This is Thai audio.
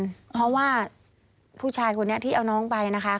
เพราะว่าผู้ชายคนนี้ที่เอาน้องไปนะคะ